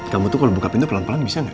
kamu tuh kalo buka pintu pelan pelan bisa gak